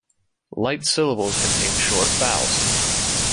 Light syllables contain short vowels.